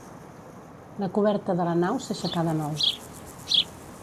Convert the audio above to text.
La coberta de la nau s'aixecà de nou.